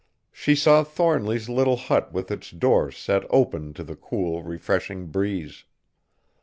She saw Thornly's little hut with its door set open to the cool, refreshing breeze.